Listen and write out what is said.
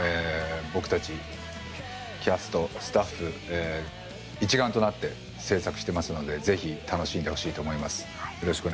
僕たちキャスト、スタッフ一丸となって制作していますのでぜひ楽しんでほしいと思います。